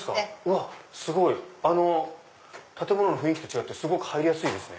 すごい！建物の雰囲気と違ってすごく入りやすいですね。